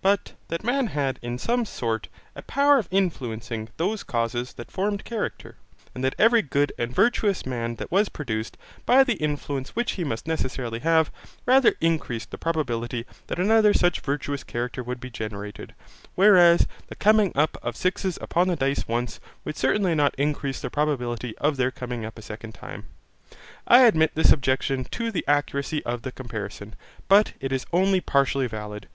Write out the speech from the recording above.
But, that man had in some sort a power of influencing those causes that formed character, and that every good and virtuous man that was produced, by the influence which he must necessarily have, rather increased the probability that another such virtuous character would be generated, whereas the coming up of sixes upon the dice once, would certainly not increase the probability of their coming up a second time. I admit this objection to the accuracy of the comparison, but it is only partially valid.